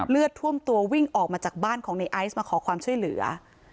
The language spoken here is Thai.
เลือดท่วมตัววิ่งออกมาจากบ้านของในไอซ์มาขอความช่วยเหลือ